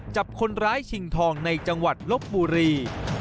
จับคนร้ายชิงทองในจังหวัดลบบุรี